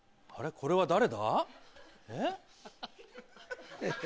これは誰だ？